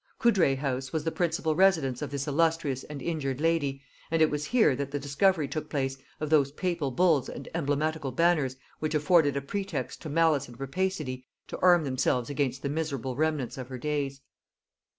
Coudray house was the principal residence of this illustrious and injured lady, and it was here that the discovery took place of those papal bulls and emblematical banners which afforded a pretext to malice and rapacity to arm themselves against the miserable remnant of her days.